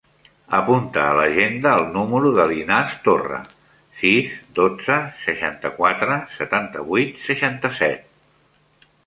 Apunta a l'agenda el número de l'Inas Torra: sis, dotze, seixanta-quatre, setanta-vuit, seixanta-set.